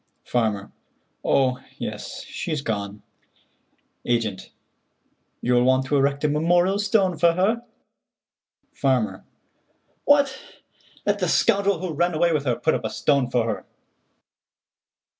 Farmer: "Oh, yes, she's gone." Agent: "You'll want to erect a memorial stone for her?" Farmer: "What! Let the scoundrel who ran away with her put up a stone for her."